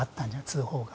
通報が。